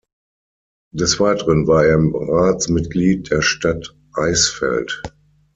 Des Weiteren war er Ratsmitglied der Stadt Eisfeld.